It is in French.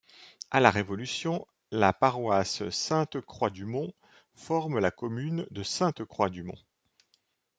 À la Révolution, la paroisse Sainte-Croix-du-Mont forme la commune de Sainte-Croix-du-Mont.